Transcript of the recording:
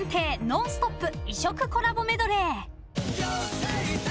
ノンストップ異色コラボメドレー。